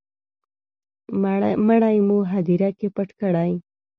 مړی مو هدیره کي پټ کړی